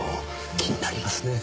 気になりますねぇ。